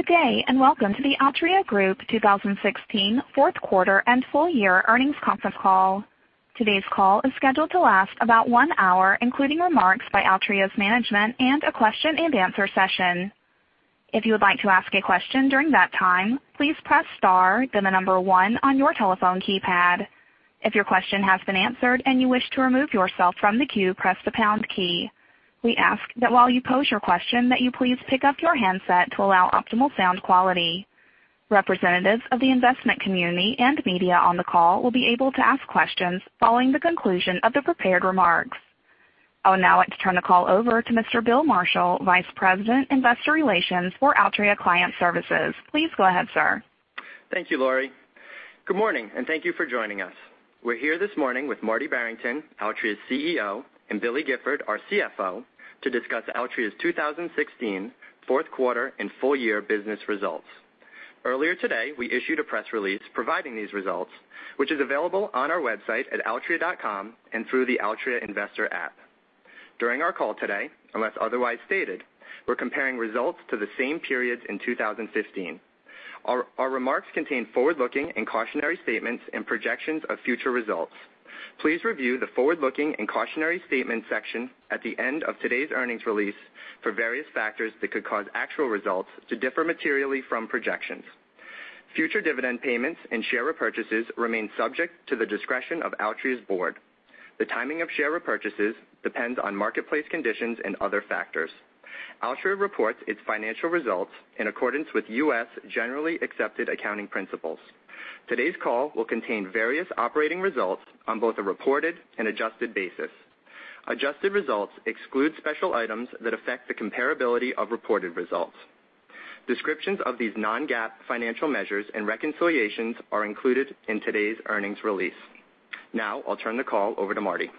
Good day, and welcome to the Altria Group 2016 fourth quarter and full year earnings conference call. Today's call is scheduled to last about one hour, including remarks by Altria's management and a question and answer session. If you would like to ask a question during that time, please press star, then the number 1 on your telephone keypad. If your question has been answered and you wish to remove yourself from the queue, press the pound key. We ask that while you pose your question that you please pick up your handset to allow optimal sound quality. Representatives of the investment community and media on the call will be able to ask questions following the conclusion of the prepared remarks. I would now like to turn the call over to William Marshall, Vice President, Investor Relations for Altria Client Services. Please go ahead, sir. Thank you, Laurie. Good morning, thank you for joining us. We're here this morning with Martin Barrington, Altria's CEO, and William Gifford, our CFO, to discuss Altria's 2016 fourth quarter and full year business results. Earlier today, we issued a press release providing these results, which is available on our website at altria.com and through the Altria investor app. During our call today, unless otherwise stated, we're comparing results to the same periods in 2015. Our remarks contain forward-looking and cautionary statements and projections of future results. Please review the forward-looking and cautionary statements section at the end of today's earnings release for various factors that could cause actual results to differ materially from projections. Future dividend payments and share repurchases remain subject to the discretion of Altria's board. The timing of share repurchases depends on marketplace conditions and other factors. Altria reports its financial results in accordance with U.S. generally accepted accounting principles. Today's call will contain various operating results on both a reported and adjusted basis. Adjusted results exclude special items that affect the comparability of reported results. Descriptions of these non-GAAP financial measures and reconciliations are included in today's earnings release. I'll turn the call over to Marty.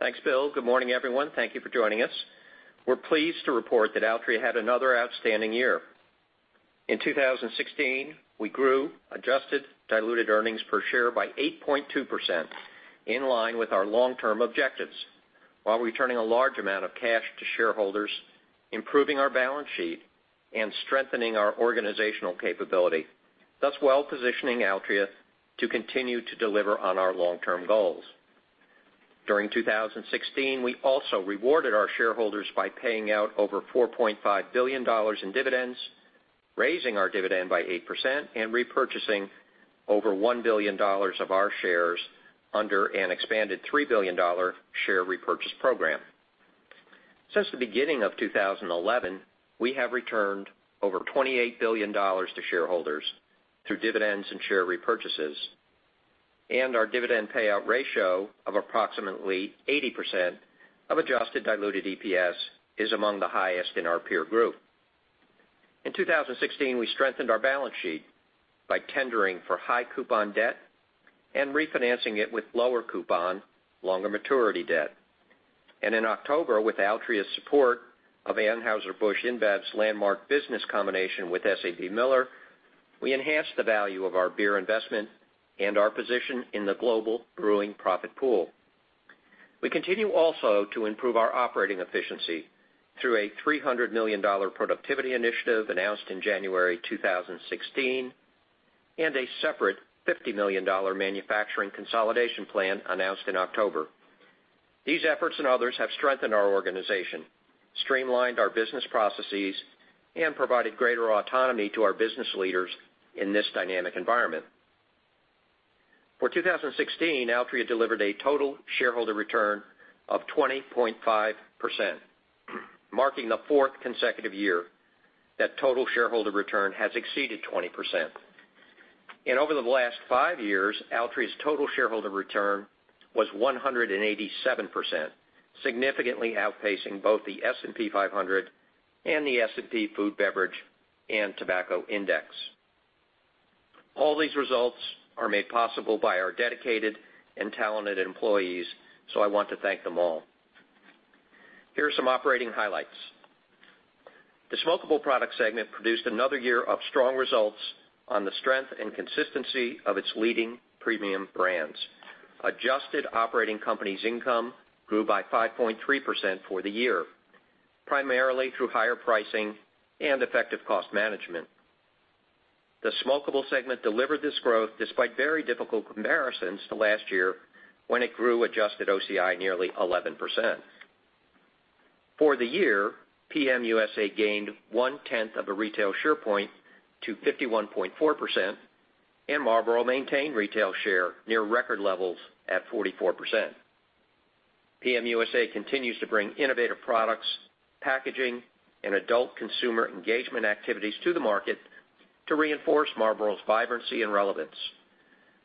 Thanks, Bill. Good morning, everyone. Thank you for joining us. We're pleased to report that Altria had another outstanding year. In 2016, we grew adjusted diluted EPS by 8.2%, in line with our long-term objectives while returning a large amount of cash to shareholders, improving our balance sheet, and strengthening our organizational capability, thus well positioning Altria to continue to deliver on our long-term goals. During 2016, we also rewarded our shareholders by paying out over $4.5 billion in dividends, raising our dividend by 8%, and repurchasing over $1 billion of our shares under an expanded $3 billion share repurchase program. Since the beginning of 2011, we have returned over $28 billion to shareholders through dividends and share repurchases, and our dividend payout ratio of approximately 80% of adjusted diluted EPS is among the highest in our peer group. In 2016, we strengthened our balance sheet by tendering for high coupon debt and refinancing it with lower coupon, longer maturity debt. In October, with Altria's support of Anheuser-Busch InBev's landmark business combination with SABMiller, we enhanced the value of our beer investment and our position in the global brewing profit pool. We continue also to improve our operating efficiency through a $300 million productivity initiative announced in January 2016 and a separate $50 million manufacturing consolidation plan announced in October. These efforts and others have strengthened our organization, streamlined our business processes, and provided greater autonomy to our business leaders in this dynamic environment. For 2016, Altria delivered a total shareholder return of 20.5%, marking the fourth consecutive year that total shareholder return has exceeded 20%. Over the last five years, Altria's total shareholder return was 187%, significantly outpacing both the S&P 500 and the S&P Food Beverage & Tobacco Index. All these results are made possible by our dedicated and talented employees. I want to thank them all. Here are some operating highlights. The smokable product segment produced another year of strong results on the strength and consistency of its leading premium brands. Adjusted operating companies income grew by 5.3% for the year, primarily through higher pricing and effective cost management. The smokable segment delivered this growth despite very difficult comparisons to last year when it grew adjusted OCI nearly 11%. For the year, PM USA gained one tenth of a retail share point to 51.4%, and Marlboro maintained retail share near record levels at 44%. PM USA continues to bring innovative products, packaging, and adult consumer engagement activities to the market to reinforce Marlboro's vibrancy and relevance.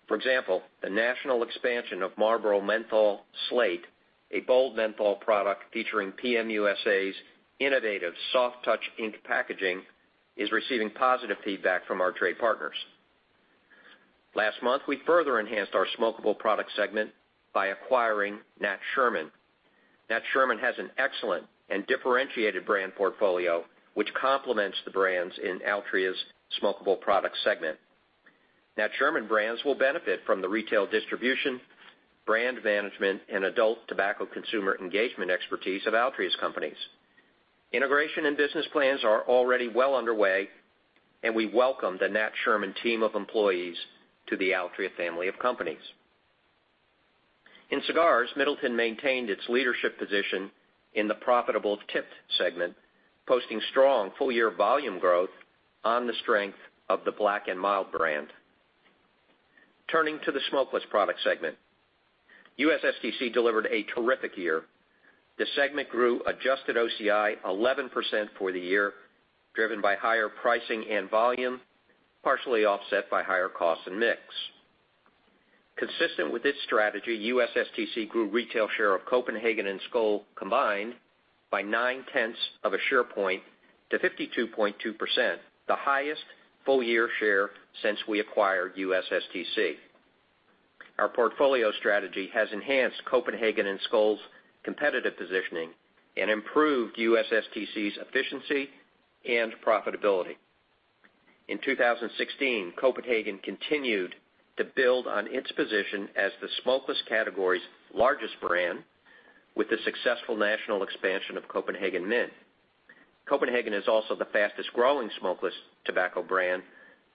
For example, the national expansion of Marlboro Menthol Slate, a bold menthol product featuring PM USA's innovative soft touch ink packaging, is receiving positive feedback from our trade partners. Last month, we further enhanced our smokable product segment by acquiring Nat Sherman. Nat Sherman has an excellent and differentiated brand portfolio, which complements the brands in Altria's smokable product segment. Nat Sherman brands will benefit from the retail distribution, brand management, and adult tobacco consumer engagement expertise of Altria's companies. Integration and business plans are already well underway. We welcome the Nat Sherman team of employees to the Altria family of companies. In cigars, Middleton maintained its leadership position in the profitable tipped segment, posting strong full-year volume growth on the strength of the Black & Mild brand. Turning to the smokeless product segment, USSTC delivered a terrific year. The segment grew adjusted OCI 11% for the year, driven by higher pricing and volume, partially offset by higher costs and mix. Consistent with this strategy, USSTC grew retail share of Copenhagen and Skoal combined by nine tenths of a share point to 52.2%, the highest full-year share since we acquired USSTC. Our portfolio strategy has enhanced Copenhagen and Skoal's competitive positioning and improved USSTC's efficiency and profitability. In 2016, Copenhagen continued to build on its position as the smokeless category's largest brand with the successful national expansion of Copenhagen Mint. Copenhagen is also the fastest growing smokeless tobacco brand,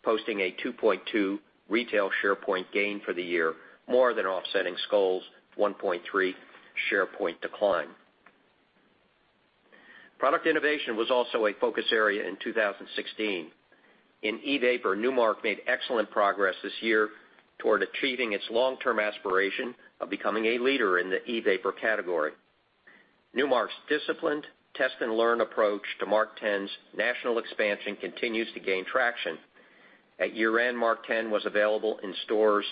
posting a 2.2 retail share point gain for the year, more than offsetting Skoal's 1.3 share point decline. Product innovation was also a focus area in 2016. In e-vapor, Nu Mark made excellent progress this year toward achieving its long-term aspiration of becoming a leader in the e-vapor category. Nu Mark's disciplined test-and-learn approach to MarkTen's national expansion continues to gain traction. At year-end, MarkTen was available in stores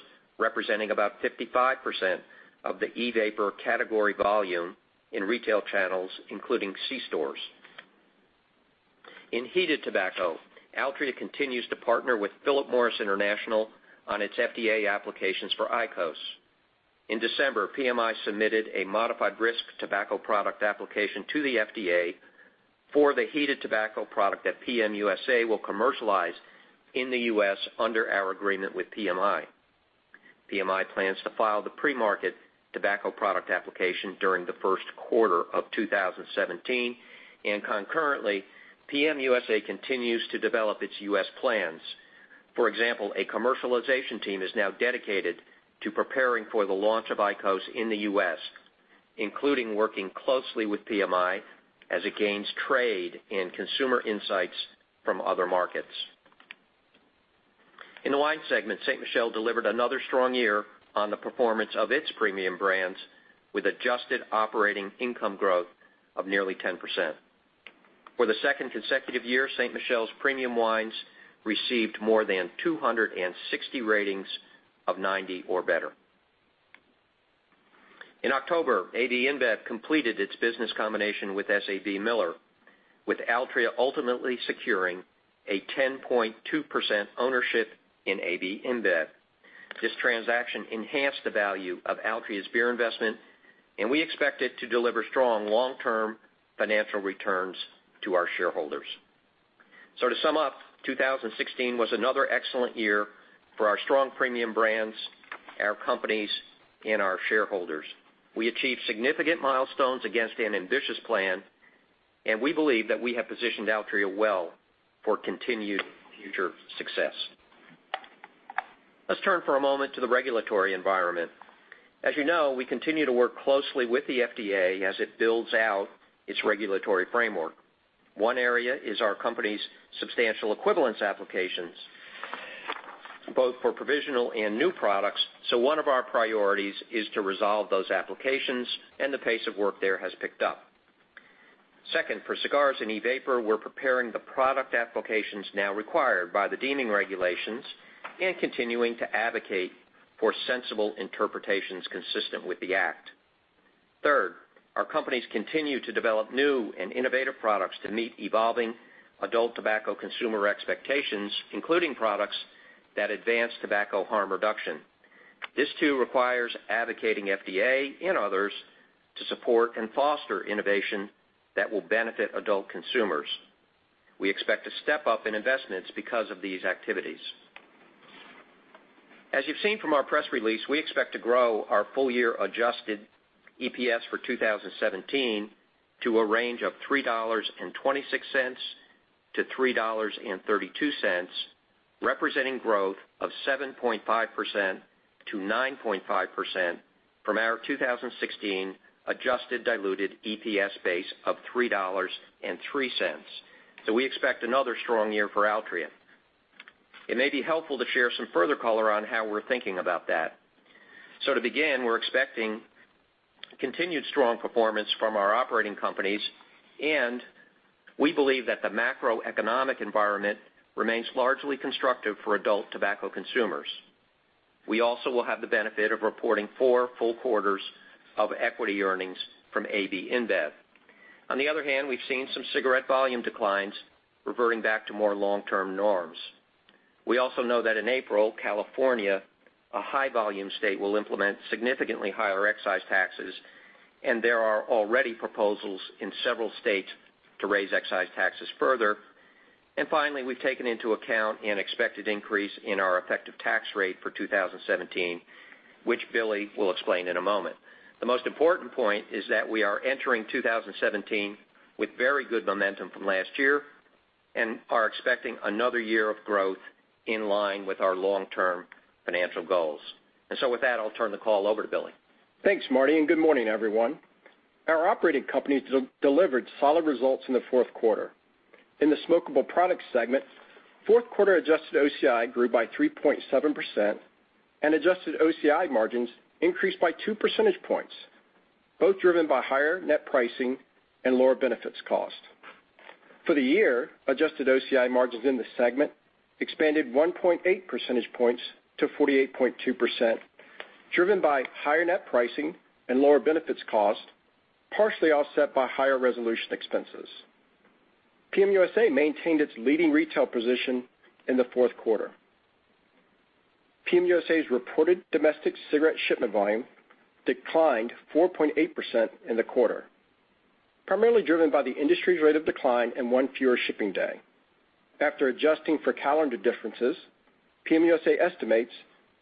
representing about 55% of the e-vapor category volume in retail channels, including c-stores. In heated tobacco, Altria continues to partner with Philip Morris International on its FDA applications for IQOS. In December, PMI submitted a modified risk tobacco product application to the FDA for the heated tobacco product that PM USA will commercialize in the U.S. under our agreement with PMI. PMI plans to file the pre-market tobacco product application during the first quarter of 2017. Concurrently, PM USA continues to develop its U.S. plans. For example, a commercialization team is now dedicated to preparing for the launch of IQOS in the U.S., including working closely with PMI as it gains trade and consumer insights from other markets. In the wine segment, Ste. Michelle delivered another strong year on the performance of its premium brands, with adjusted operating income growth of nearly 10%. For the second consecutive year, Ste. Michelle's premium wines received more than 260 ratings of 90 or better. In October, AB InBev completed its business combination with SABMiller, with Altria ultimately securing a 10.2% ownership in AB InBev. This transaction enhanced the value of Altria's beer investment, and we expect it to deliver strong long-term financial returns to our shareholders. To sum up, 2016 was another excellent year for our strong premium brands, our companies, and our shareholders. We achieved significant milestones against an ambitious plan, and we believe that we have positioned Altria well for continued future success. Let's turn for a moment to the regulatory environment. As you know, we continue to work closely with the FDA as it builds out its regulatory framework. One area is our company's substantial equivalence applications, both for provisional and new products. One of our priorities is to resolve those applications, and the pace of work there has picked up. Second, for cigars and e-vapor, we're preparing the product applications now required by the deeming regulations and continuing to advocate for sensible interpretations consistent with the act. Third, our companies continue to develop new and innovative products to meet evolving adult tobacco consumer expectations, including products that advance tobacco harm reduction. This too requires advocating FDA and others to support and foster innovation that will benefit adult consumers. We expect a step up in investments because of these activities. As you've seen from our press release, we expect to grow our full-year adjusted EPS for 2017 to a range of $3.26-$3.32, representing growth of 7.5%-9.5% from our 2016 adjusted diluted EPS base of $3.03. We expect another strong year for Altria. It may be helpful to share some further color on how we're thinking about that. To begin, we're expecting continued strong performance from our operating companies, and we believe that the macroeconomic environment remains largely constructive for adult tobacco consumers. We also will have the benefit of reporting four full quarters of equity earnings from AB InBev. On the other hand, we've seen some cigarette volume declines reverting back to more long-term norms. We also know that in April, California, a high volume state, will implement significantly higher excise taxes, and there are already proposals in several states to raise excise taxes further. Finally, we've taken into account an expected increase in our effective tax rate for 2017, which Billy will explain in a moment. The most important point is that we are entering 2017 with very good momentum from last year and are expecting another year of growth in line with our long-term financial goals. With that, I'll turn the call over to Billy. Thanks, Marty. Good morning, everyone. Our operating companies delivered solid results in the fourth quarter. In the smokable product segment, fourth quarter adjusted OCI grew by 3.7% and adjusted OCI margins increased by two percentage points, both driven by higher net pricing and lower benefits cost. For the year, adjusted OCI margins in the segment expanded 1.8 percentage points to 48.2%, driven by higher net pricing and lower benefits cost, partially offset by higher resolution expenses. PM USA maintained its leading retail position in the fourth quarter. PM USA's reported domestic cigarette shipment volume declined 4.8% in the quarter, primarily driven by the industry's rate of decline and one fewer shipping day. After adjusting for calendar differences, PM USA estimates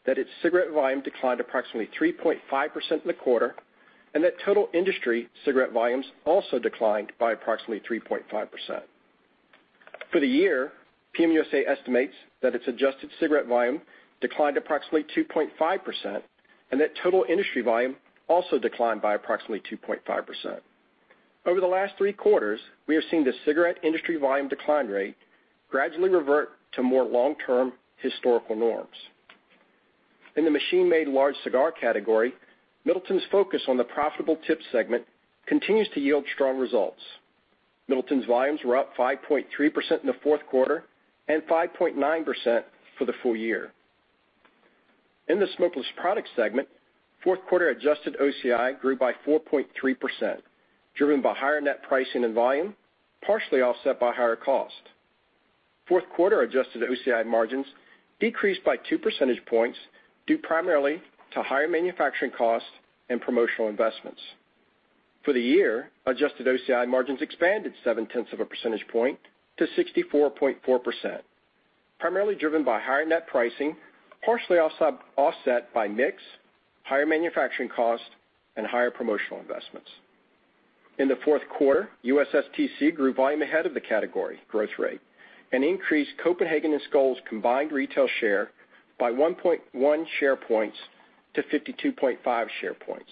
that its cigarette volume declined approximately 3.5% in the quarter and that total industry cigarette volumes also declined by approximately 3.5%. For the year, PM USA estimates that its adjusted cigarette volume declined approximately 2.5% and that total industry volume also declined by approximately 2.5%. Over the last three quarters, we have seen the cigarette industry volume decline rate gradually revert to more long-term historical norms. In the machine-made large cigar category, Middleton's focus on the profitable tip segment continues to yield strong results. Middleton's volumes were up 5.3% in the fourth quarter and 5.9% for the full year. In the smokeless product segment, fourth quarter adjusted OCI grew by 4.3%, driven by higher net pricing and volume, partially offset by higher cost. Fourth quarter adjusted OCI margins decreased by two percentage points due primarily to higher manufacturing costs and promotional investments. For the year, adjusted OCI margins expanded seven-tenths of a percentage point to 64.4%, primarily driven by higher net pricing, partially offset by mix, higher manufacturing cost, and higher promotional investments. In the fourth quarter, USSTC grew volume ahead of the category growth rate and increased Copenhagen and Skoal's combined retail share by 1.1 share points to 52.5 share points.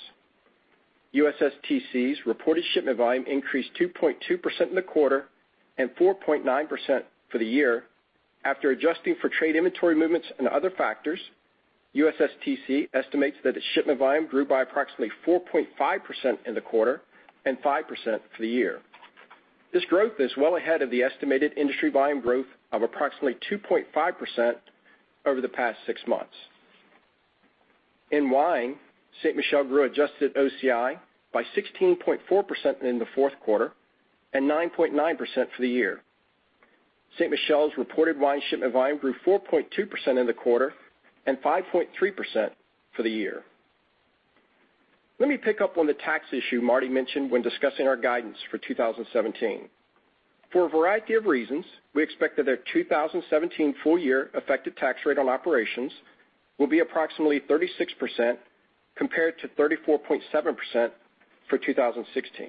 USSTC's reported shipment volume increased 2.2% in the quarter and 4.9% for the year. After adjusting for trade inventory movements and other factors, USSTC estimates that its shipment volume grew by approximately 4.5% in the quarter and 5% for the year. This growth is well ahead of the estimated industry volume growth of approximately 2.5% over the past six months. In wine, Ste. Michelle grew adjusted OCI by 16.4% in the fourth quarter and 9.9% for the year. Ste. Michelle's reported wine shipment volume grew 4.2% in the quarter and 5.3% for the year. Let me pick up on the tax issue Marty mentioned when discussing our guidance for 2017. For a variety of reasons, we expect that our 2017 full year effective tax rate on operations will be approximately 36% compared to 34.7% for 2016.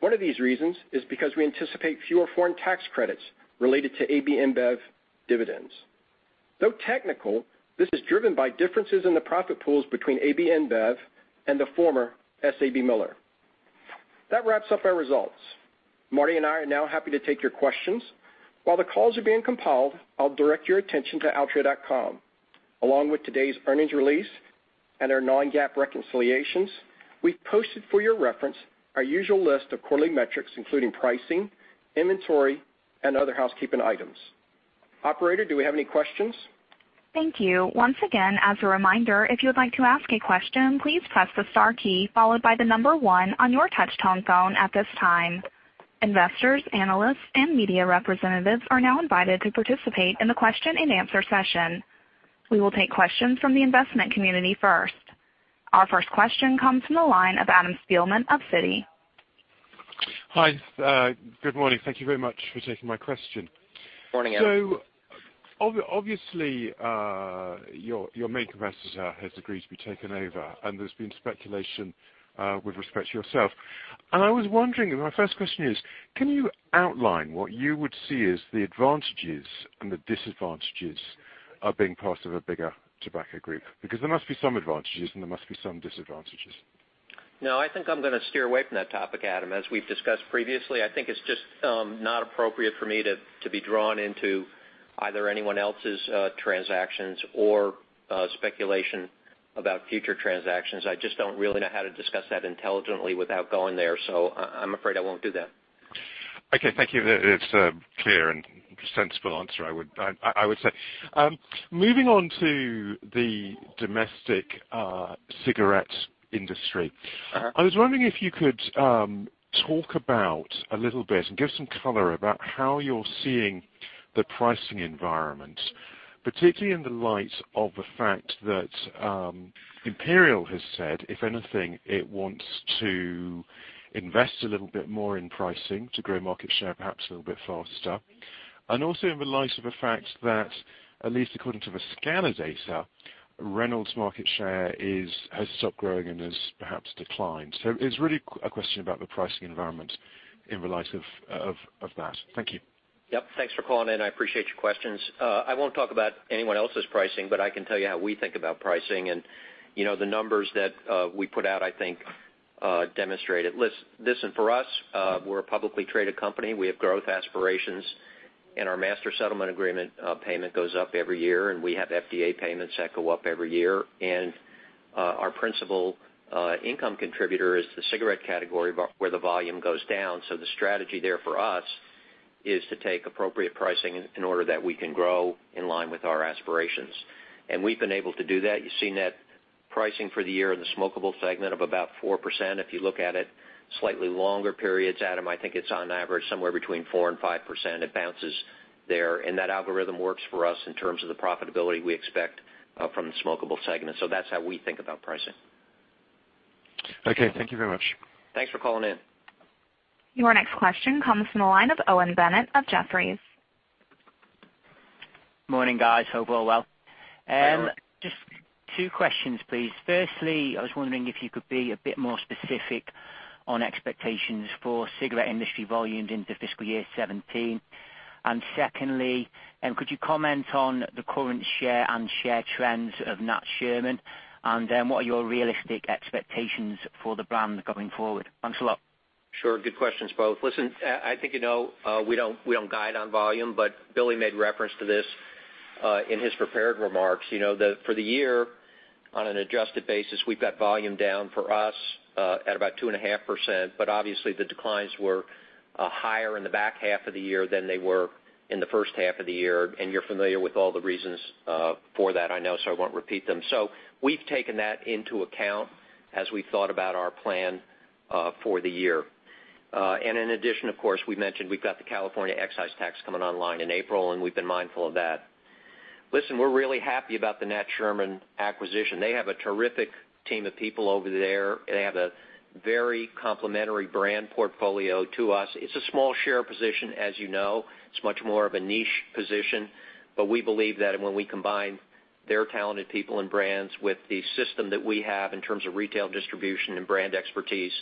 One of these reasons is because we anticipate fewer foreign tax credits related to AB InBev dividends. Though technical, this is driven by differences in the profit pools between AB InBev and the former SABMiller. That wraps up our results. Marty and I are now happy to take your questions. While the calls are being compiled, I'll direct your attention to altria.com. Along with today's earnings release and our non-GAAP reconciliations, we've posted for your reference our usual list of quarterly metrics, including pricing, inventory, and other housekeeping items. Operator, do we have any questions? Thank you. Once again, as a reminder, if you would like to ask a question, please press the star key followed by the number one on your touch-tone phone at this time. Investors, analysts, and media representatives are now invited to participate in the question and answer session. We will take questions from the investment community first. Our first question comes from the line of Adam Spielman of Citi. Hi. Good morning. Thank you very much for taking my question. Morning, Adam. Obviously, your main competitor has agreed to be taken over, and there's been speculation with respect to yourself. I was wondering, my first question is, can you outline what you would see as the advantages and the disadvantages of being part of a bigger tobacco group? There must be some advantages, and there must be some disadvantages. No, I think I'm going to steer away from that topic, Adam. As we've discussed previously, I think it's just not appropriate for me to be drawn into either anyone else's transactions or speculation about future transactions. I just don't really know how to discuss that intelligently without going there, so I'm afraid I won't do that. Okay. Thank you. It's a clear and sensible answer, I would say. Moving on to the domestic cigarette industry. I was wondering if you could talk about a little bit and give some color about how you're seeing the pricing environment, particularly in the light of the fact that Imperial has said, if anything, it wants to invest a little bit more in pricing to grow market share perhaps a little bit faster. Also in the light of the fact that, at least according to the scanner data, Reynolds market share has stopped growing and has perhaps declined. It's really a question about the pricing environment in the light of that. Thank you. Yep. Thanks for calling in. I appreciate your questions. I won't talk about anyone else's pricing, but I can tell you how we think about pricing. The numbers that we put out, I think, demonstrate it. Listen, for us, we're a publicly traded company. We have growth aspirations, and our Master Settlement Agreement payment goes up every year, and we have FDA payments that go up every year. Our principal income contributor is the cigarette category, where the volume goes down. The strategy there for us is to take appropriate pricing in order that we can grow in line with our aspirations. We've been able to do that. You've seen that pricing for the year in the smokable segment of about 4%. If you look at it slightly longer periods, Adam, I think it's on average somewhere between 4% and 5%. It bounces there. That algorithm works for us in terms of the profitability we expect from the smokable segment. That's how we think about pricing. Okay. Thank you very much. Thanks for calling in. Your next question comes from the line of Owen Bennett of Jefferies. Morning, guys. Hope you're all well. Hi, Owen. Just two questions, please. Firstly, I was wondering if you could be a bit more specific on expectations for cigarette industry volumes into fiscal year 2017. Secondly, could you comment on the current share and share trends of Nat Sherman, and what are your realistic expectations for the brand going forward? Thanks a lot. Sure. Good questions, both. Listen, I think you know we don't guide on volume, but Billy made reference to this in his prepared remarks. For the year, on an adjusted basis, we've got volume down for us at about 2.5%, but obviously the declines were higher in the back half of the year than they were in the first half of the year. You're familiar with all the reasons for that, I know, so I won't repeat them. We've taken that into account as we thought about our plan for the year. In addition, of course, we mentioned we've got the California excise tax coming online in April, and we've been mindful of that. Listen, we're really happy about the Nat Sherman acquisition. They have a terrific team of people over there. They have a very complementary brand portfolio to us. It's a small share position, as you know. It's much more of a niche position. We believe that when we combine their talented people and brands with the system that we have in terms of retail distribution and brand expertise,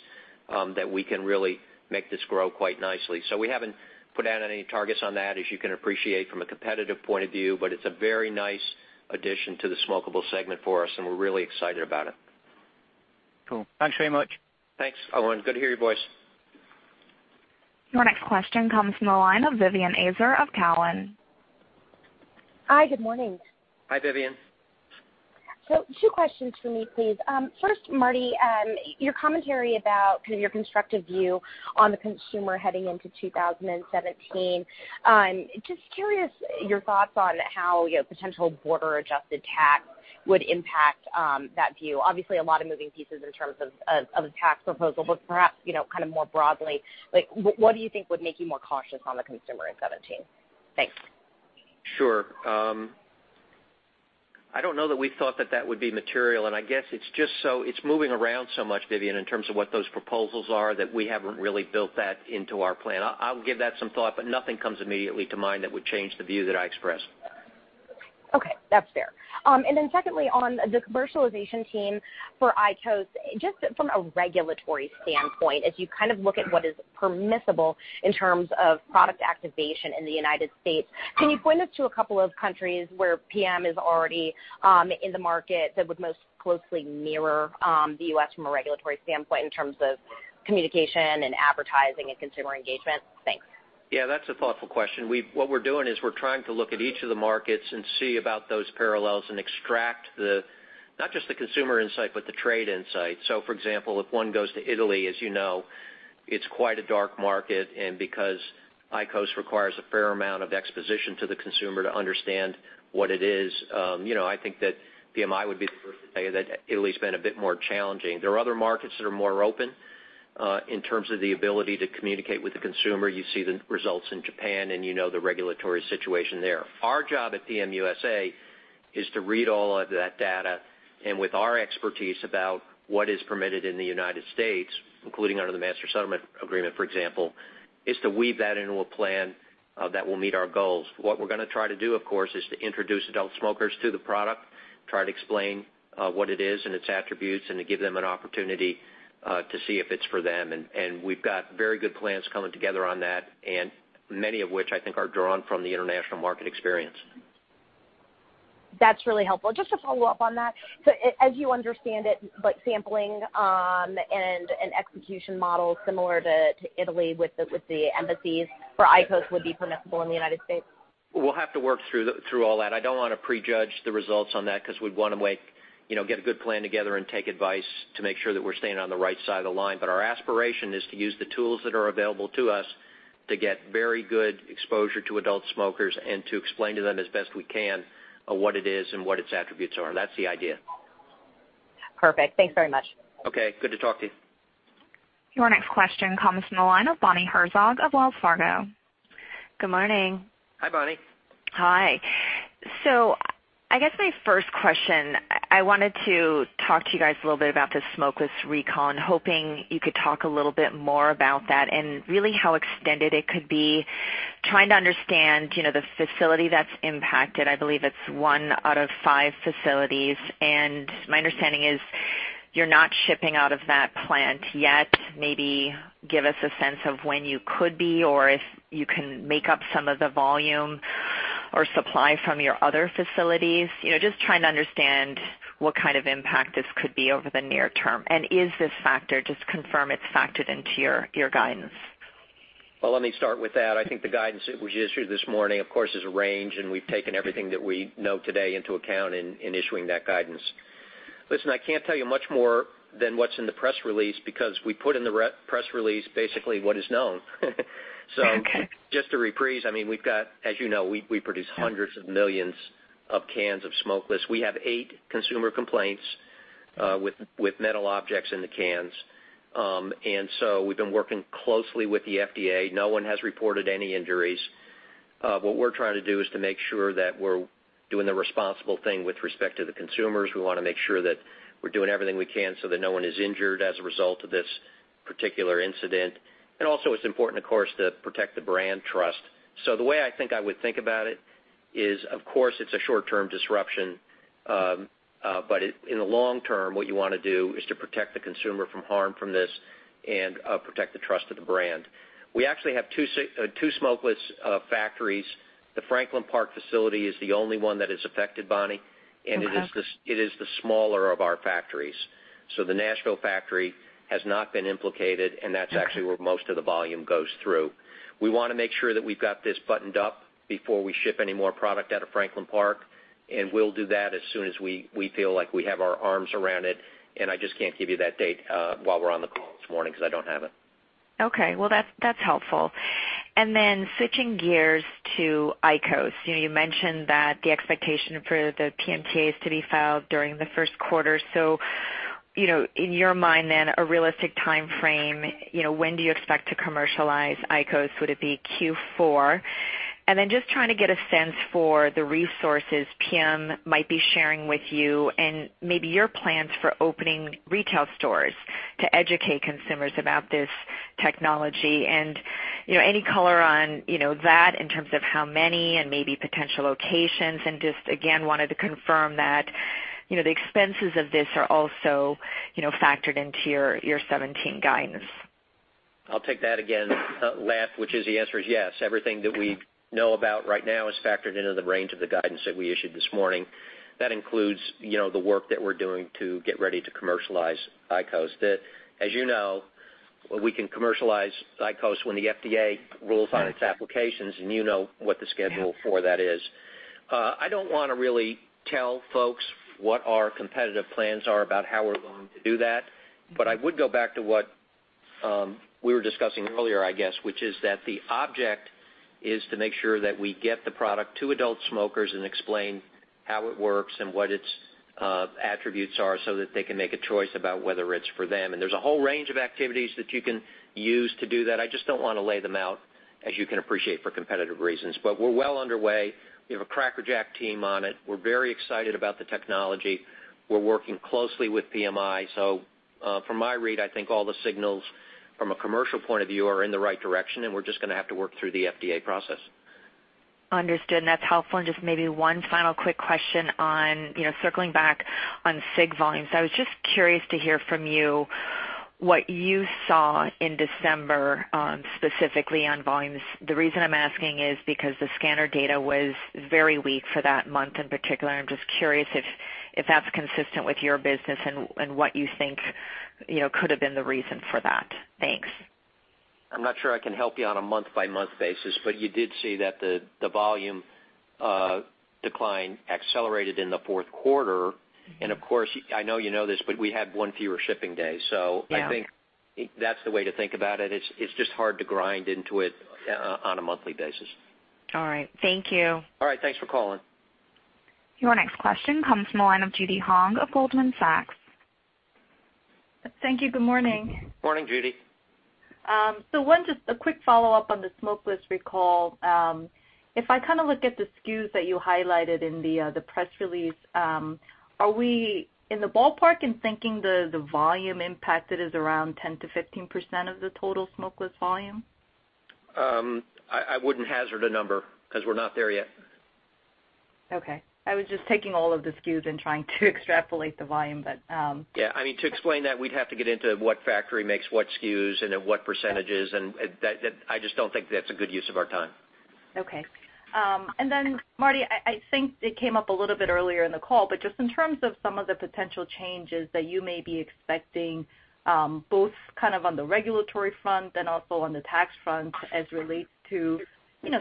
that we can really make this grow quite nicely. We haven't put out any targets on that, as you can appreciate from a competitive point of view, but it's a very nice addition to the smokable segment for us, and we're really excited about it. Cool. Thanks very much. Thanks, Owen. Good to hear your voice. Your next question comes from the line of Vivien Azer of Cowen. Hi. Good morning. Hi, Vivien. Two questions for me, please. First, Marty, your commentary about your constructive view on the consumer heading into 2017. Just curious your thoughts on how potential border-adjusted tax would impact that view. Obviously, a lot of moving pieces in terms of the tax proposal. Perhaps, more broadly, what do you think would make you more cautious on the consumer in 2017? Thanks. Sure. I don't know that we thought that that would be material. I guess it's moving around so much, Vivien, in terms of what those proposals are, that we haven't really built that into our plan. I'll give that some thought. Nothing comes immediately to mind that would change the view that I expressed. Okay. That's fair. Secondly, on the commercialization team for IQOS, just from a regulatory standpoint, as you look at what is permissible in terms of product activation in the U.S., can you point us to a couple of countries where PM is already in the market that would most closely mirror the U.S. from a regulatory standpoint in terms of communication and advertising and consumer engagement? Thanks. Yeah, that's a thoughtful question. What we're doing is we're trying to look at each of the markets and see about those parallels and extract not just the consumer insight, but the trade insight. For example, if one goes to Italy, as you know, it's quite a dark market, and because IQOS requires a fair amount of exposition to the consumer to understand what it is, I think that PMI would be the first to tell you that Italy's been a bit more challenging. There are other markets that are more open in terms of the ability to communicate with the consumer. You see the results in Japan, and you know the regulatory situation there. Our job at PM USA is to read all of that data, with our expertise about what is permitted in the United States, including under the Master Settlement Agreement, for example, is to weave that into a plan that will meet our goals. What we're going to try to do, of course, is to introduce adult smokers to the product, try to explain what it is and its attributes, and to give them an opportunity to see if it's for them. We've got very good plans coming together on that, many of which I think are drawn from the international market experience. That's really helpful. Just to follow up on that, as you understand it, like sampling and an execution model similar to Italy with the embassies for IQOS would be permissible in the United States? We'll have to work through all that. I don't want to prejudge the results on that because we'd want to wait, get a good plan together and take advice to make sure that we're staying on the right side of the line. Our aspiration is to use the tools that are available to us to get very good exposure to adult smokers and to explain to them as best we can what it is and what its attributes are. That's the idea. Perfect. Thanks very much. Okay. Good to talk to you. Your next question comes from the line of Bonnie Herzog of Wells Fargo. Good morning. Hi, Bonnie. Hi. I guess my first question, I wanted to talk to you guys a little bit about this smokeless recall, and hoping you could talk a little bit more about that and really how extended it could be. Trying to understand the facility that's impacted. I believe it's one out of five facilities, and my understanding is you're not shipping out of that plant yet. Maybe give us a sense of when you could be, or if you can make up some of the volume or supply from your other facilities. Just trying to understand what kind of impact this could be over the near term. Is this factor, just confirm it's factored into your guidance. Well, let me start with that. I think the guidance that was issued this morning, of course, is a range, and we've taken everything that we know today into account in issuing that guidance. Listen, I can't tell you much more than what's in the press release, because we put in the press release basically what is known. Okay. Just to reprise, as you know, we produce hundreds of millions of cans of smokeless. We have eight consumer complaints with metal objects in the cans. We've been working closely with the FDA. No one has reported any injuries. What we're trying to do is to make sure that we're doing the responsible thing with respect to the consumers. We want to make sure that we're doing everything we can so that no one is injured as a result of this particular incident. It's important, of course, to protect the brand trust. The way I think I would think about it is, of course, it's a short-term disruption. In the long term, what you want to do is to protect the consumer from harm from this and protect the trust of the brand. We actually have two smokeless factories. The Franklin Park facility is the only one that is affected, Bonnie. Okay. It is the smaller of our factories. The Nashville factory has not been implicated, and that's actually where most of the volume goes through. We want to make sure that we've got this buttoned up before we ship any more product out of Franklin Park, and we'll do that as soon as we feel like we have our arms around it. I just can't give you that date while we're on the call this morning, because I don't have it. Okay. Well, that's helpful. Then switching gears to IQOS. You mentioned that the expectation for the PMTAs to be filed during the first quarter. In your mind then, a realistic timeframe, when do you expect to commercialize IQOS? Would it be Q4? Then just trying to get a sense for the resources PM might be sharing with you and maybe your plans for opening retail stores to educate consumers about this technology and any color on that in terms of how many and maybe potential locations, and just again, wanted to confirm that the expenses of this are also factored into your 2017 guidance. I'll take that again last, which is the answer is yes. Everything that we know about right now is factored into the range of the guidance that we issued this morning. That includes the work that we're doing to get ready to commercialize IQOS. As you know, we can commercialize IQOS when the FDA rules on its applications, and you know what the schedule for that is. I don't want to really tell folks what our competitive plans are about how we're going to do that. I would go back to what we were discussing earlier, I guess, which is that the object is to make sure that we get the product to adult smokers and explain how it works and what its attributes are that they can make a choice about whether it's for them. There's a whole range of activities that you can use to do that. I just don't want to lay them out, as you can appreciate, for competitive reasons. We're well underway. We have a crackerjack team on it. We're very excited about the technology. We're working closely with PMI. From my read, I think all the signals from a commercial point of view are in the right direction, and we're just going to have to work through the FDA process. Understood, that's helpful. Just maybe one final quick question on circling back on cig volumes. I was just curious to hear from you what you saw in December, specifically on volumes. The reason I'm asking is because the scanner data was very weak for that month in particular. I'm just curious if that's consistent with your business and what you think could have been the reason for that. Thanks. I'm not sure I can help you on a month-by-month basis, you did see that the volume decline accelerated in the fourth quarter. Of course, I know you know this, but we had one fewer shipping day. I think that's the way to think about it. It's just hard to grind into it on a monthly basis. All right. Thank you. All right. Thanks for calling. Your next question comes from the line of Judy Hong of Goldman Sachs. Thank you. Good morning. Morning, Judy. One just a quick follow-up on the smokeless recall. If I look at the SKUs that you highlighted in the press release, are we in the ballpark in thinking the volume impacted is around 10%-15% of the total smokeless volume? I wouldn't hazard a number because we're not there yet. Okay. I was just taking all of the SKUs and trying to extrapolate the volume. Yeah, to explain that, we'd have to get into what factory makes what SKUs and at what percentages, and I just don't think that's a good use of our time. Okay. Then Marty, I think it came up a little bit earlier in the call, but just in terms of some of the potential changes that you may be expecting, both on the regulatory front and also on the tax front as it relates to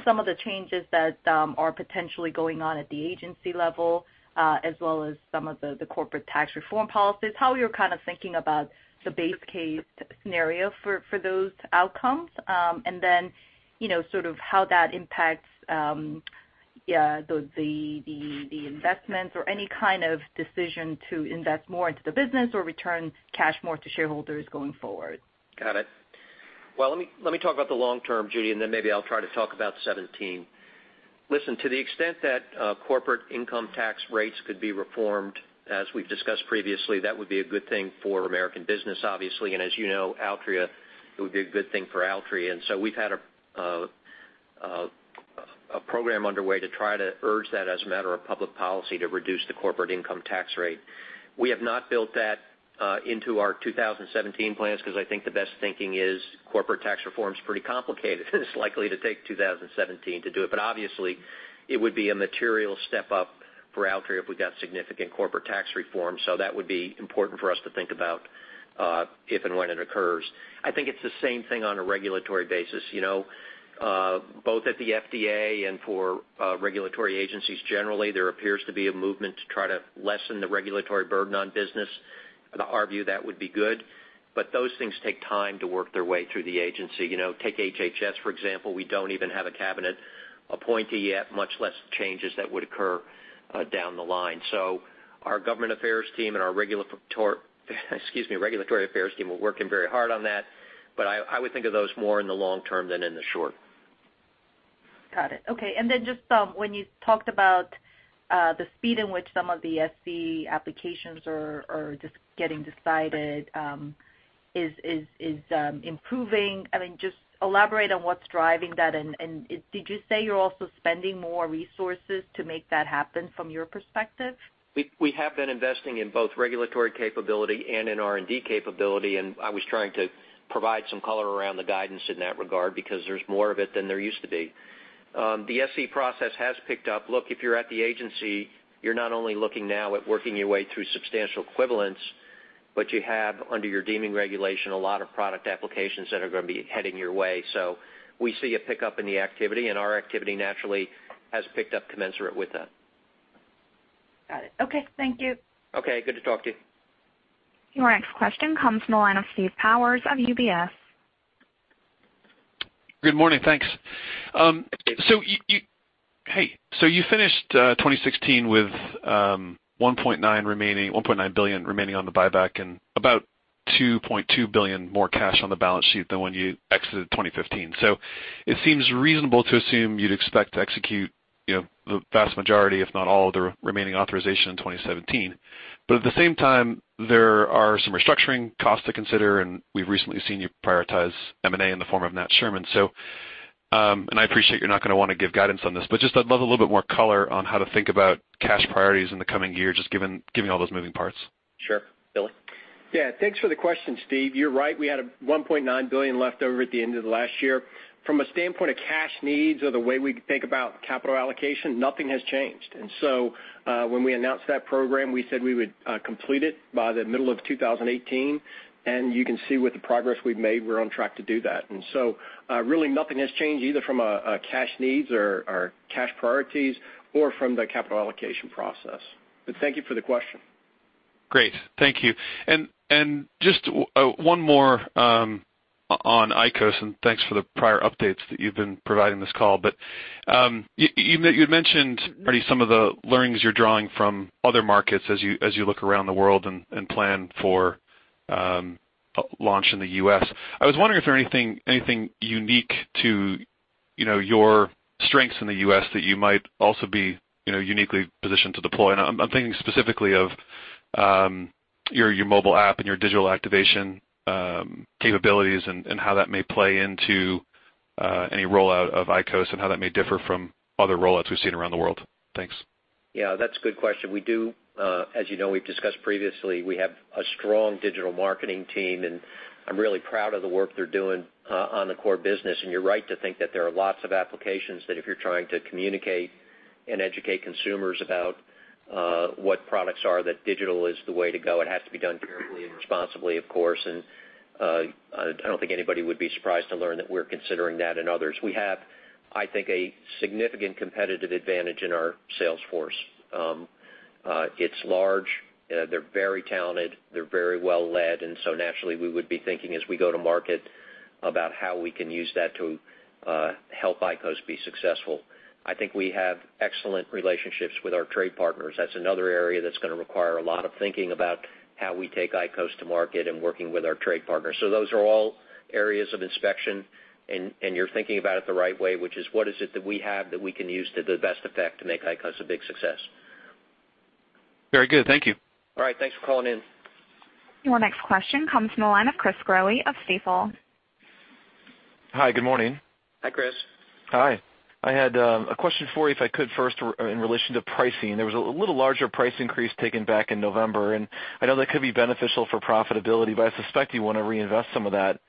some of the changes that are potentially going on at the agency level, as well as some of the corporate tax reform policies, how you're thinking about the base case scenario for those outcomes? Yeah, the investments or any kind of decision to invest more into the business or return cash more to shareholders going forward. Got it. Well, let me talk about the long term, Judy, then maybe I'll try to talk about 2017. Listen, to the extent that corporate income tax rates could be reformed, as we've discussed previously, that would be a good thing for American business, obviously. As you know, it would be a good thing for Altria. We've had a program underway to try to urge that as a matter of public policy to reduce the corporate income tax rate. We have not built that into our 2017 plans because I think the best thinking is corporate tax reform is pretty complicated, and it's likely to take 2017 to do it. Obviously, it would be a material step up for Altria if we got significant corporate tax reform. That would be important for us to think about if and when it occurs. I think it's the same thing on a regulatory basis. Both at the FDA and for regulatory agencies generally, there appears to be a movement to try to lessen the regulatory burden on business. In our view, that would be good. Those things take time to work their way through the agency. Take HHS, for example. We don't even have a cabinet appointee yet, much less changes that would occur down the line. Our government affairs team and our regulatory affairs team are working very hard on that, but I would think of those more in the long term than in the short. Got it. Okay. Just when you talked about the speed in which some of the SE applications are just getting decided, is improving. Just elaborate on what's driving that, and did you say you're also spending more resources to make that happen from your perspective? We have been investing in both regulatory capability and in R&D capability. I was trying to provide some color around the guidance in that regard, because there's more of it than there used to be. The SE process has picked up. Look, if you're at the agency, you're not only looking now at working your way through substantial equivalents, but you have, under your deeming regulation, a lot of product applications that are going to be heading your way. We see a pickup in the activity, and our activity naturally has picked up commensurate with that. Got it. Okay. Thank you. Okay. Good to talk to you. Your next question comes from the line of Steve Powers of UBS. Good morning. Thanks. Hey. You finished 2016 with $1.9 billion remaining on the buyback and about $2.2 billion more cash on the balance sheet than when you exited 2015. It seems reasonable to assume you would expect to execute the vast majority, if not all, of the remaining authorization in 2017. At the same time, there are some restructuring costs to consider, and we have recently seen you prioritize M&A in the form of Nat Sherman. I appreciate you are not going to want to give guidance on this, but I would love a little bit more color on how to think about cash priorities in the coming year, just given all those moving parts. Sure. Billy? Yeah. Thanks for the question, Steve. You are right. We had a $1.9 billion leftover at the end of the last year. From a standpoint of cash needs or the way we think about capital allocation, nothing has changed. When we announced that program, we said we would complete it by the middle of 2018, and you can see with the progress we have made, we are on track to do that. Really nothing has changed either from a cash needs or cash priorities or from the capital allocation process. Thank you for the question. Great. Thank you. Just one more on IQOS, and thanks for the prior updates that you have been providing this call. You had mentioned already some of the learnings you are drawing from other markets as you look around the world and plan for launch in the U.S. I was wondering if there anything unique to your strengths in the U.S. that you might also be uniquely positioned to deploy. I am thinking specifically of your mobile app and your digital activation capabilities and how that may play into any rollout of IQOS and how that may differ from other rollouts we have seen around the world. Thanks. Yeah, that's a good question. As you know, we've discussed previously, we have a strong digital marketing team, and I'm really proud of the work they're doing on the core business. You're right to think that there are lots of applications that if you're trying to communicate and educate consumers about what products are, that digital is the way to go. It has to be done carefully and responsibly, of course, and I don't think anybody would be surprised to learn that we're considering that and others. We have, I think, a significant competitive advantage in our sales force. It's large. They're very talented. They're very well led. Naturally, we would be thinking as we go to market about how we can use that to help IQOS be successful. I think we have excellent relationships with our trade partners. That's another area that's going to require a lot of thinking about how we take IQOS to market and working with our trade partners. Those are all areas of inspection, and you're thinking about it the right way, which is what is it that we have that we can use to the best effect to make IQOS a big success. Very good. Thank you. All right. Thanks for calling in. Your next question comes from the line of Chris Growe of Stifel. Hi. Good morning. Hi, Chris. Hi. I had a question for you, if I could first, in relation to pricing. There was a little larger price increase taken back in November, and I know that could be beneficial for profitability, but I suspect you want to reinvest some of that.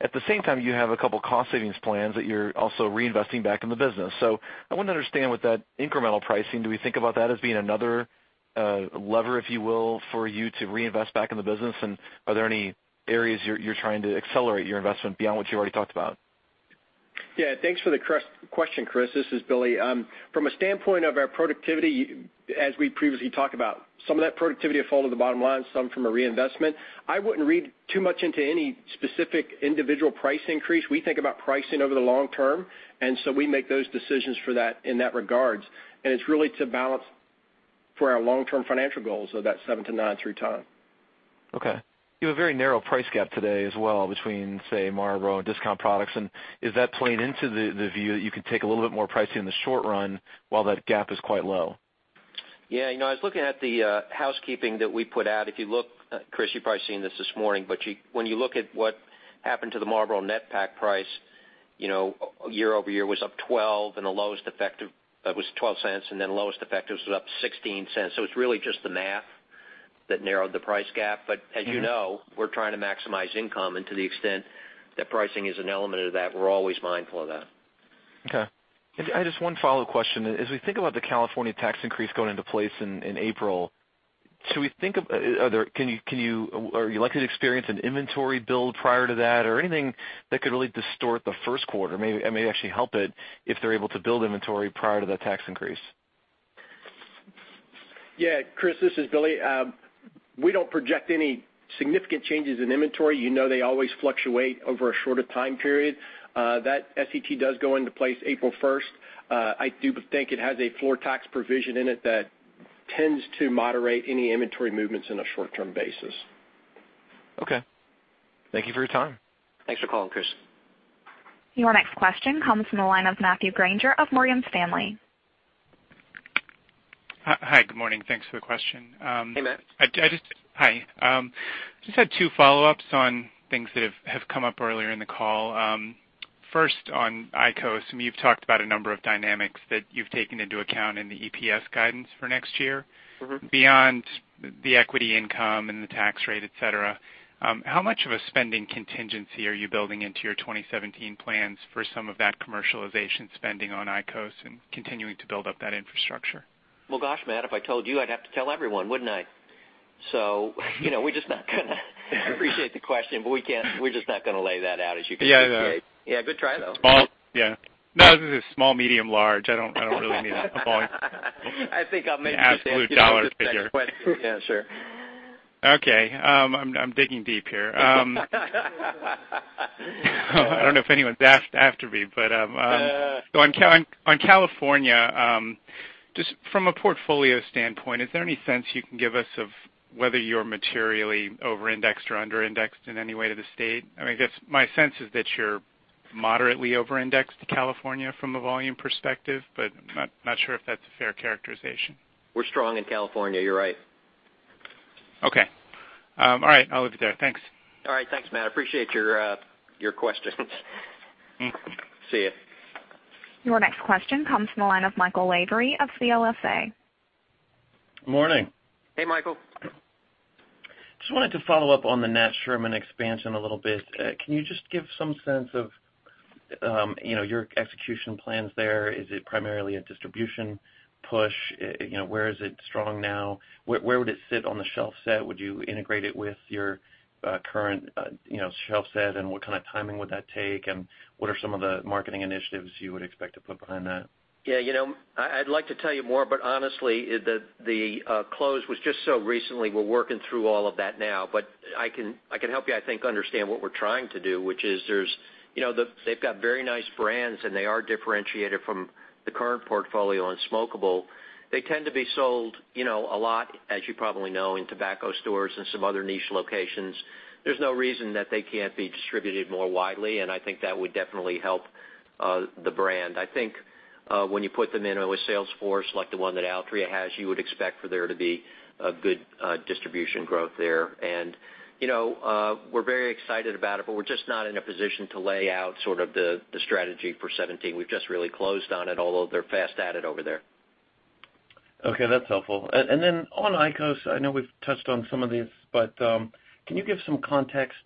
At the same time, you have a couple cost savings plans that you're also reinvesting back in the business. I want to understand with that incremental pricing, do we think about that as being another lever, if you will, for you to reinvest back in the business? Are there any areas you're trying to accelerate your investment beyond what you already talked about? Yeah. Thanks for the question, Chris. This is Billy. From a standpoint of our productivity, as we previously talked about, some of that productivity will fall to the bottom line, some from a reinvestment. I wouldn't read too much into any specific individual price increase. We think about pricing over the long term, so we make those decisions for that in that regards. It's really to balance for our long-term financial goals of that 7%-9% through time. Okay. You have a very narrow price gap today as well between, say, Marlboro and discount products. Is that playing into the view that you can take a little bit more pricing in the short run while that gap is quite low? Yeah. I was looking at the housekeeping that we put out. If you look, Chris, you've probably seen this this morning, when you look at what happened to the Marlboro net pack price, year-over-year was up $0.12 and the lowest effective was $0.12, then lowest effective was up $0.16. It's really just the math that narrowed the price gap. As you know, we're trying to maximize income, and to the extent that pricing is an element of that, we're always mindful of that. Okay. I just have one follow question. As we think about the California tax increase going into place in April, are you likely to experience an inventory build prior to that? Anything that could really distort the first quarter, may actually help it if they're able to build inventory prior to that tax increase? Yeah. Chris, this is Billy. We don't project any significant changes in inventory. You know they always fluctuate over a shorter time period. That SET does go into place April 1st. I do think it has a floor tax provision in it that tends to moderate any inventory movements in a short-term basis. Okay. Thank you for your time. Thanks for calling, Chris. Your next question comes from the line of Matthew Grainger of Morgan Stanley. Hi. Good morning. Thanks for the question. Hey, Matt. Hi. Just had two follow-ups on things that have come up earlier in the call. First on IQOS, you've talked about a number of dynamics that you've taken into account in the EPS guidance for next year. Beyond the equity income and the tax rate, et cetera, how much of a spending contingency are you building into your 2017 plans for some of that commercialization spending on IQOS and continuing to build up that infrastructure? Well, gosh, Matt, if I told you I'd have to tell everyone, wouldn't I? We're just not going to. I appreciate the question, we're just not going to lay that out, as you can appreciate. Yeah. Yeah. Good try, though. Yeah. No, this is small, medium, large. I don't really mean a volume. I think I'll make- An absolute dollar figure sure. Okay. I'm digging deep here. I don't know if anyone's after me, but on California, just from a portfolio standpoint, is there any sense you can give us of whether you're materially over-indexed or under-indexed in any way to the state? I guess my sense is that you're moderately over-indexed to California from a volume perspective, but I'm not sure if that's a fair characterization. We're strong in California. You're right. Okay. All right. I'll leave it there. Thanks. All right. Thanks, Matt. I appreciate your questions. See you. Your next question comes from the line of Michael Lavery of CLSA. Good morning. Hey, Michael. Just wanted to follow up on the Nat Sherman expansion a little bit. Can you just give some sense of your execution plans there? Is it primarily a distribution push? Where is it strong now? Where would it sit on the shelf set? Would you integrate it with your current shelf set, and what kind of timing would that take, and what are some of the marketing initiatives you would expect to put behind that? I'd like to tell you more, honestly, the close was just so recently we're working through all of that now. I can help you, I think, understand what we're trying to do, which is they've got very nice brands, and they are differentiated from the current portfolio in smokeable. They tend to be sold a lot, as you probably know, in tobacco stores and some other niche locations. There's no reason that they can't be distributed more widely, and I think that would definitely help the brand. I think when you put them in with a sales force like the one that Altria has, you would expect for there to be a good distribution growth there. We're very excited about it, but we're just not in a position to lay out the strategy for 2017. We've just really closed on it, although they're fast at it over there. Okay. That's helpful. On IQOS, I know we've touched on some of these, but can you give some context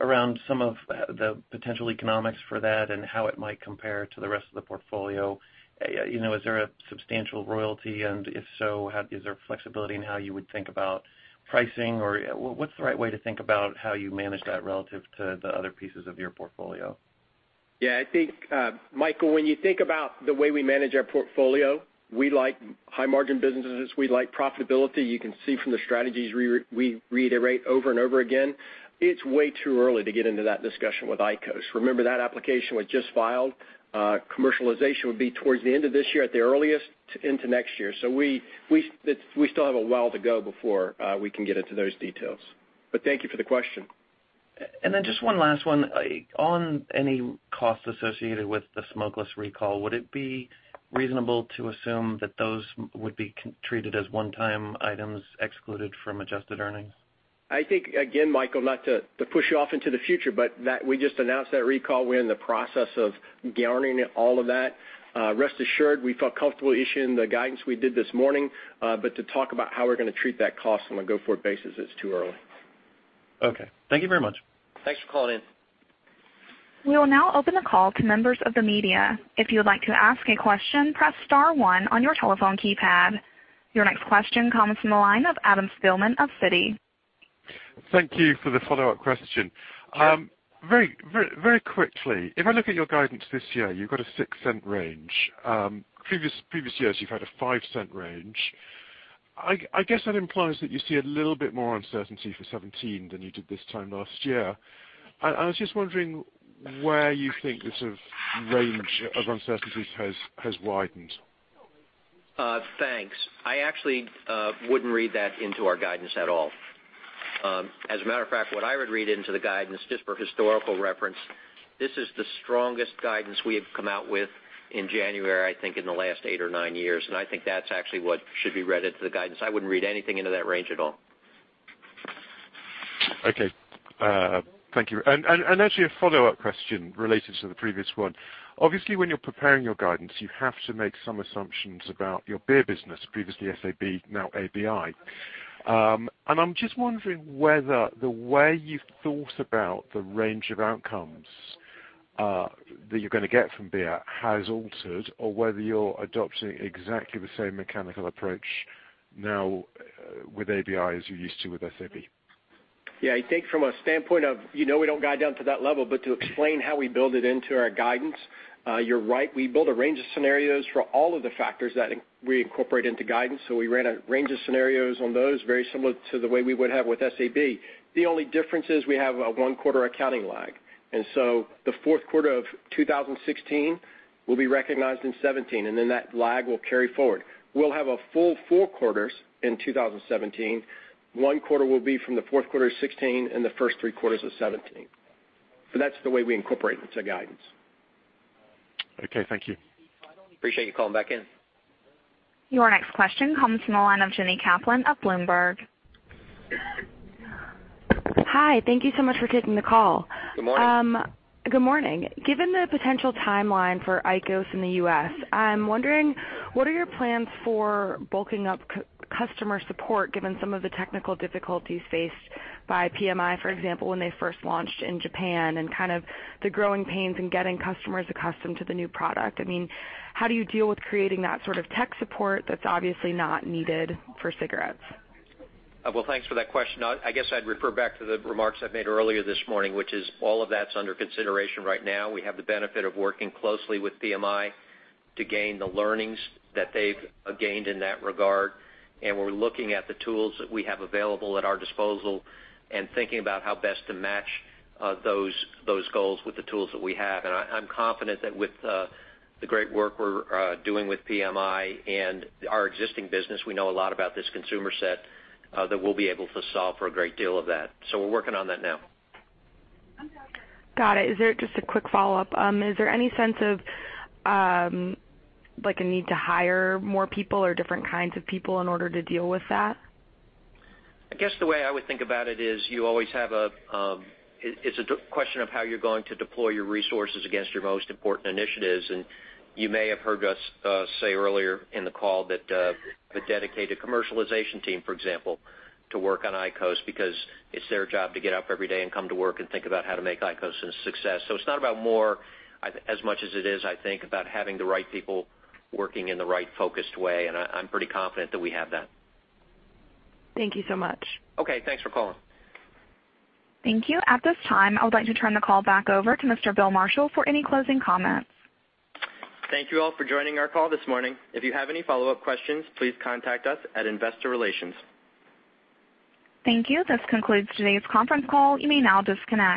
around some of the potential economics for that and how it might compare to the rest of the portfolio? Is there a substantial royalty, and if so, is there flexibility in how you would think about pricing, or what's the right way to think about how you manage that relative to the other pieces of your portfolio? Yeah, I think, Michael, when you think about the way we manage our portfolio, we like high-margin businesses. We like profitability. You can see from the strategies we reiterate over and over again. It's way too early to get into that discussion with IQOS. Remember, that application was just filed. Commercialization would be towards the end of this year at the earliest into next year. We still have a while to go before we can get into those details, but thank you for the question. Just one last one. On any cost associated with the smokeless recall, would it be reasonable to assume that those would be treated as one-time items excluded from adjusted earnings? I think, again, Michael, not to push you off into the future, but we just announced that recall. We're in the process of garnering all of that. Rest assured, we felt comfortable issuing the guidance we did this morning, but to talk about how we're going to treat that cost on a go-forward basis, it's too early. Okay. Thank you very much. Thanks for calling in. We will now open the call to members of the media. If you would like to ask a question, press star one on your telephone keypad. Your next question comes from the line of Adam Spielman of Citi. Thank you for the follow-up question. Very quickly, if I look at your guidance this year, you've got a $0.06 range. Previous years, you've had a $0.05 range. I guess that implies that you see a little bit more uncertainty for 2017 than you did this time last year. I was just wondering where you think the range of uncertainties has widened. Thanks. I actually wouldn't read that into our guidance at all. As a matter of fact, what I would read into the guidance, just for historical reference, this is the strongest guidance we have come out with in January, I think, in the last eight or nine years. I think that's actually what should be read into the guidance. I wouldn't read anything into that range at all. Okay. Thank you. Actually, a follow-up question related to the previous one. Obviously, when you're preparing your guidance, you have to make some assumptions about your beer business, previously SAB, now ABI. I'm just wondering whether the way you've thought about the range of outcomes that you're going to get from beer has altered or whether you're adopting exactly the same mechanical approach now with ABI as you used to with SAB. Yeah, I think from a standpoint of, we don't guide down to that level, to explain how we build it into our guidance, you're right. We build a range of scenarios for all of the factors that we incorporate into guidance. We ran a range of scenarios on those, very similar to the way we would have with SABMiller. The only difference is we have a one-quarter accounting lag. The fourth quarter of 2016 will be recognized in 2017. That lag will carry forward. We'll have a full four quarters in 2017. One quarter will be from the fourth quarter of 2016 and the first three quarters of 2017. That's the way we incorporate into guidance. Okay, thank you. Appreciate you calling back in. Your next question comes from the line of Jenny Kaplan of Bloomberg. Hi. Thank you so much for taking the call. Good morning. Good morning. Given the potential timeline for IQOS in the U.S., I'm wondering, what are your plans for bulking up customer support, given some of the technical difficulties faced by PMI, for example, when they first launched in Japan, and kind of the growing pains in getting customers accustomed to the new product? How do you deal with creating that sort of tech support that's obviously not needed for cigarettes? Well, thanks for that question. I guess I'd refer back to the remarks I made earlier this morning, which is all of that's under consideration right now. We have the benefit of working closely with PMI to gain the learnings that they've gained in that regard. We're looking at the tools that we have available at our disposal and thinking about how best to match those goals with the tools that we have. I'm confident that with the great work we're doing with PMI and our existing business, we know a lot about this consumer set, that we'll be able to solve for a great deal of that. We're working on that now. Got it. Just a quick follow-up. Is there any sense of a need to hire more people or different kinds of people in order to deal with that? I guess the way I would think about it is it's a question of how you're going to deploy your resources against your most important initiatives, and you may have heard us say earlier in the call that the dedicated commercialization team, for example, to work on IQOS because it's their job to get up every day and come to work and think about how to make IQOS a success. It's not about more as much as it is, I think, about having the right people working in the right focused way, and I'm pretty confident that we have that. Thank you so much. Okay, thanks for calling. Thank you. At this time, I would like to turn the call back over to Mr. William Marshall for any closing comments. Thank you all for joining our call this morning. If you have any follow-up questions, please contact us at Investor Relations. Thank you. This concludes today's conference call. You may now disconnect.